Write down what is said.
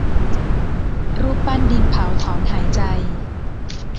รูปปั้นดินเผาถอนหายใจ